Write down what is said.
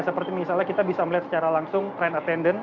seperti misalnya kita bisa melihat secara langsung tren attendant